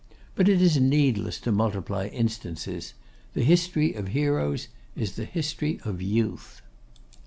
But it is needless to multiply instances! The history of Heroes is the history of Youth.